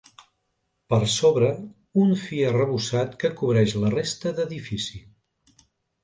Per sobre, un fi arrebossat que cobreix la resta d'edifici.